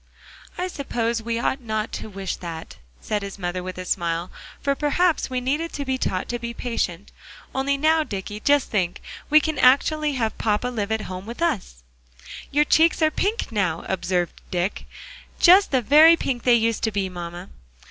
"I suppose we ought not to wish that," said his mother with a smile, "for perhaps we needed to be taught to be patient. Only now, Dicky, just think, we can actually have papa live at home with us!" "Your cheeks are pink now," observed Dick; "just the very pink they used to be, mamma."